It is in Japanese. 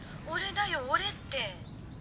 ☎俺だよ俺って。